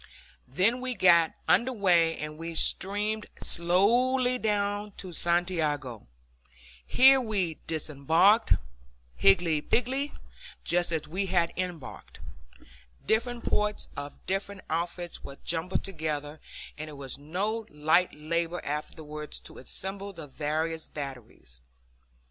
Then the fleet got under way, and we steamed slowly down to Santiago. Here we disembarked, higgledy piggledy, just as we had embarked. Different parts of different outfits were jumbled together, and it was no light labor afterwards to assemble the various batteries.